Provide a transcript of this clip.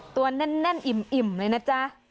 แน่นอิ่มเลยนะจ๊ะ